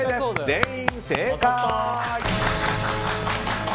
全員正解！